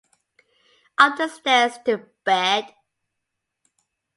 Up the stairs to bed.